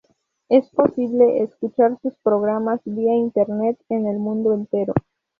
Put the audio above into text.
Es posible escuchar sus programas via Internet en el mundo entero.